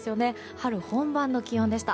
春本番の気温でした。